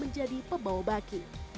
menjadi pebawa baki